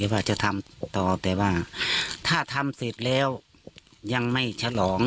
ว่าจะทำต่อแต่ว่าถ้าทำเสร็จแล้วยังไม่ฉลอง